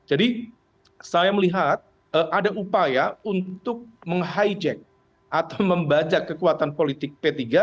jadi saya melihat ada upaya untuk meng hijack atau membacak kekuatan politik p tiga